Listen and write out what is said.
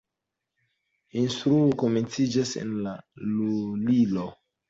La instruo komenciĝas en la lulilo.